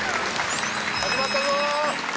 始まったぞー！